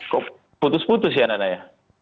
kok putus putus ya nana ya